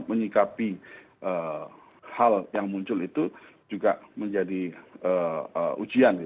menyikapi hal yang muncul itu juga menjadi ujian